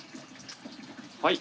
はい。